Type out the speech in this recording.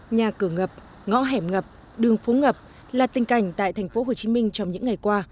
nhà cửa ngập ngõ hẻm ngập đường phố ngập là tình cảnh tại tp hcm trong những ngày qua